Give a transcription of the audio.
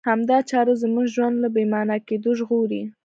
همدا چاره زموږ ژوند له بې مانا کېدو ژغوري.